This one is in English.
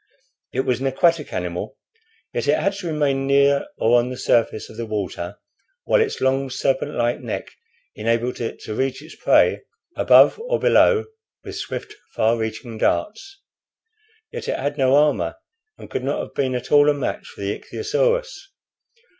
It was an aquatic animal, yet it had to remain near or on the surface of the water, while its long, serpent like neck enabled it to reach its prey above or below with swift, far reaching darts. Yet it had no armor, and could not have been at all a match for the ichthyosaurus.